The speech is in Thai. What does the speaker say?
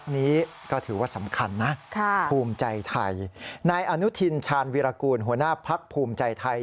นายอนุทินชานวิรากูลหัวหน้าภักษ์ภูมิใจไทย